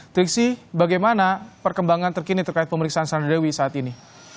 triksi bagaimana perkembangan terkini terkait pemeriksaan sandewi saat ini